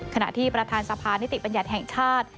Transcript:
ขณะที่ประธานสภานิติบัญญัติแห่งชาติ